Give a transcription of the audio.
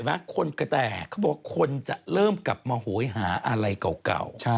ว่าคนจะเริ่มกลับมาหวยหาอะไรเก่า